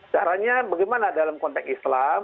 caranya bagaimana dalam konteks islam